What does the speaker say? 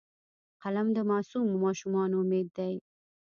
قلم د معصومو ماشومانو امید دی